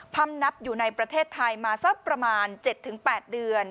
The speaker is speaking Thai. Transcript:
ำนับอยู่ในประเทศไทยมาสักประมาณ๗๘เดือน